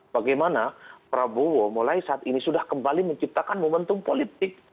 bagaimana prabowo mulai saat ini sudah kembali menciptakan momentum politik